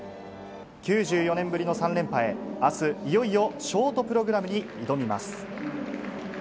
９４年ぶりの３連覇へ、あす、いよいよショートプログラムに挑みます。